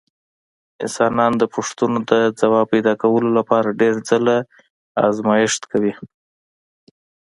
انسانان د پوښتنو د ځواب پیدا کولو لپاره ډېر ځله ازمېښت کوي.